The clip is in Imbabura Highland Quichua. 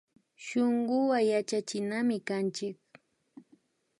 Shunkuwan yachachinami kanchik